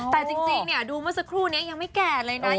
แต่จริงดูเมื่อสักครู่นี้ยังไม่แก่เลยนะ